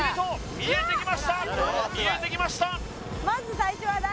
見えてきました